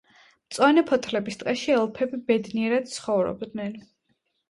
მწვანე ფოთლების ტყეში ელფები ბედნიერად ცხოვრობდნენ.